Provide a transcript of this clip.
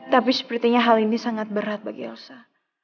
tapi sepertinya hal ini sangat berat bagi elsa